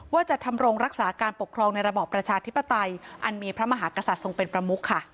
ว่าจะทำรงรักษาการปกครองในระบอบประชาธิปไตยอันมีพระมหากษัตริย์ทรงเป็นประมุกค่ะ